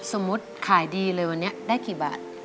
สมมุติขายดีเลยวันนี้ได้กี่บาท